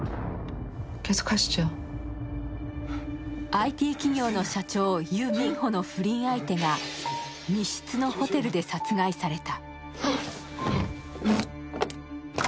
ＩＴ企業の社長、ユ・ミンホの不倫相手が密室のホテルで殺害された。